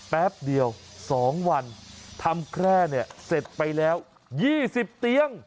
แป๊บเดียว๒วันทำแคร่เสร็จไปแล้ว๒๐เตียง